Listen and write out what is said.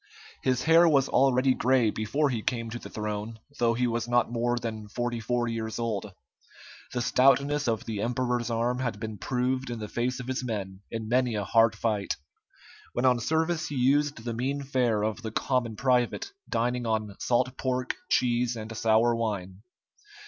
His hair was already gray before he came to the throne, though he was not more than forty four years old. The stoutness of the emperor's arm had been proved in the face of his men in many a hard fight. When on service he used the mean fare of the common private, dining on salt pork, cheese, and sour wine.